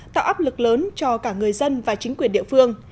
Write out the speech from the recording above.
tạo áp lực lớn cho cả người dân và chính quyền địa phương